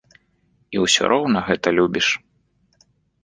І ўсё роўна гэта любіш.